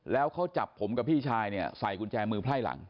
แล้วเขาจับผมกับพี่ชายเนี่ยใส่กุญแจมือไพร่หลัง